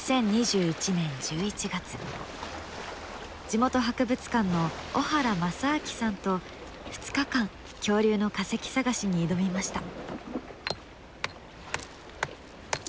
地元博物館の小原正顕さんと２日間恐竜の化石探しに挑みました。